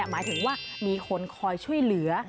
หมายถึงว่ามีคนคอยช่วยเหลือ